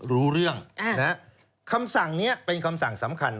รู้เรื่องคำสั่งนี้เป็นคำสั่งสำคัญ